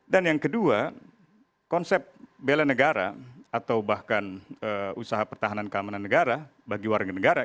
dan yang kedua konsep bela negara atau bahkan usaha pertahanan dan keamanan negara bagi warga negara